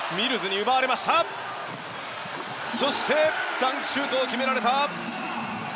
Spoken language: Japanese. ダンクシュート決められた。